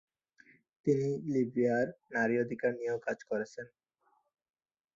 তিনি লিবিয়ায় নারী অধিকার নিয়েও কাজ করেছেন।